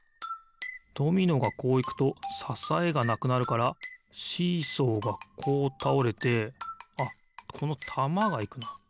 ドミノがこういくとささえがなくなるからシーソーがこうたおれてあっこのたまがいくな。